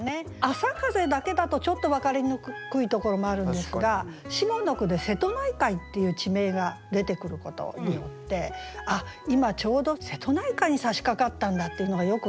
「あさかぜ」だけだとちょっと分かりにくいところもあるんですが下の句で瀬戸内海っていう地名が出てくることによって今ちょうど瀬戸内海にさしかかったんだっていうのがよく分かりますよね。